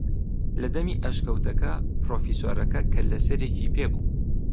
لە دەمی ئەشکەوتەکە پرۆفیسۆرەکە کەللەسەرێکی پێ بوو